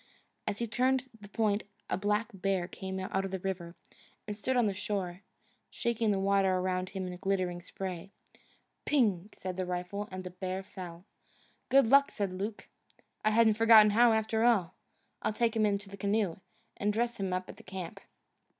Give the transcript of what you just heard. As he turned the point a black bear came out of the river, and stood on the shore, shaking the water around him in glittering spray. Ping! said the rifle, and the bear fell. "Good luck!" said Luke. "I haven't forgotten how, after all. I'll take him into the canoe, and dress him up at the camp."